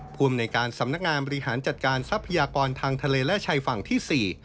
ภูมิในการสำนักงานบริหารจัดการทรัพยากรทางทะเลและชายฝั่งที่๔